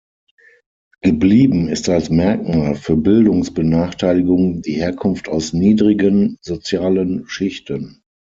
Geblieben ist als Merkmal für Bildungsbenachteiligung die Herkunft aus niedrigen sozialen Schichten.